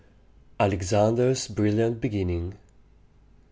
ALEXANDER'S BRILLIANT BEGINNING.